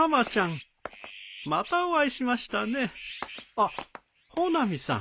あっ穂波さん